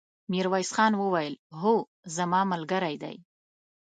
ميرويس خان وويل: هو، زما ملګری دی!